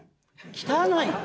汚い？